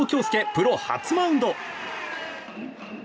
プロ初マウンド。